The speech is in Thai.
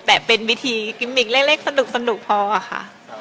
แต่เป็นวิธีกิมมิกเล็กสนุกพอค่ะ